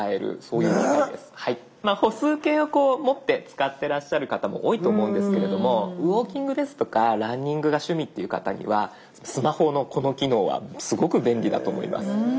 歩数計を持って使ってらっしゃる方も多いと思うんですけれどもウオーキングですとかランニングが趣味っていう方にはスマホのこの機能はすごく便利だと思います。